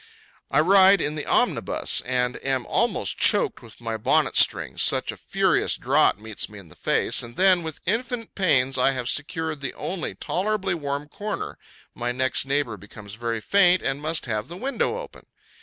I ride in the omnibus, and am almost choked with my bonnet strings, such a furious draught meets me in the face, and when, with infinite pains, I have secured the only tolerably warm corner, my next neighbor becomes very faint, and must have the window open.